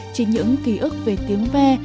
chỉ những ký ức về tiếng ve